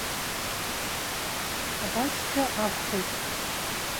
Абасшәа акәхоит.